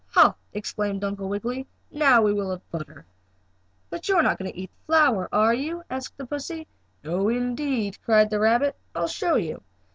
"Ha!" exclaimed Uncle Wiggily. "Now we will have butter." "But you are not going to eat the flower, are you?" asked the pussy. "No, indeed!" cried the rabbit, "I'll show you."